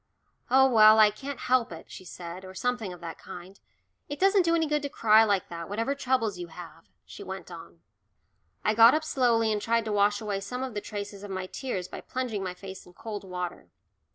"Oh, well, I can't help it," she said, or something of that kind. "It doesn't do any good to cry like that, whatever troubles you have," she went on. I got up slowly and tried to wash away some of the traces of my tears by plunging my face in cold water.